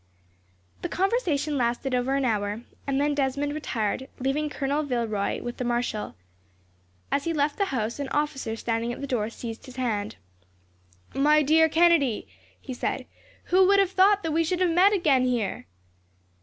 The conversation lasted over an hour, and then Desmond retired, leaving Colonel Villeroy with the marshal. As he left the house, an officer standing at the door seized his hand. "My dear Kennedy," he said, "who would have thought that we should have met again here!"